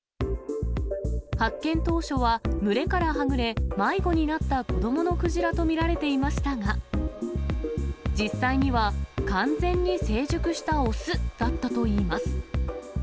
発見当初は、群れからはぐれ、迷子になった子どものクジラと見られていましたが、実際には完全に成熟した雄だったといいます。